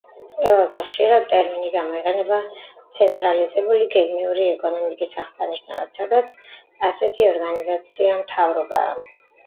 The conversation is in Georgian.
ყველაზე ხშირად ტერმინი გამოიყენება ცენტრალიზებული გეგმიური ეკონომიკის აღსანიშნავად, სადაც ასეთი ორგანიზაცია მთავრობაა.